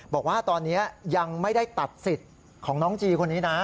บอกว่าตอนนี้ยังไม่ได้ตัดสิทธิ์ของน้องจีคนนี้นะ